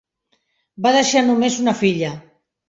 Va deixar només una filla.